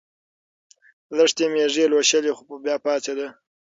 لښتې مېږې لوشلې خو بیا پاڅېده.